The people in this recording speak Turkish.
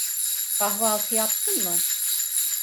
Kahvaltı yaptın mı?